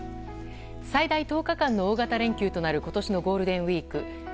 最大１０日間の大型連休となる今年のゴールデンウィーク。